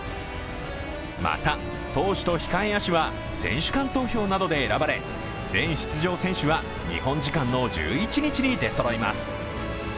また投手と控え野手は選手間投票などで選ばれ全出場選手は日本時間の１１日に出そろいます。